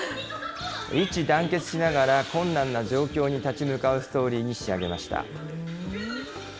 一致団結しながら困難な状況に立ち向かうストーリーに仕上げました。